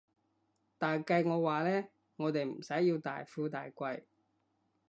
但計我話呢，我哋唔使要大富大貴